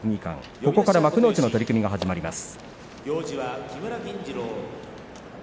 ここから幕内の取組が始まります。